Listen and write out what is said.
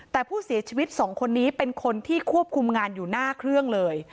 แต่ผู้เสียชีวิตสองคนนี้เป็นคนที่ควบคุมงานอยู่หน้าเครื่องเลย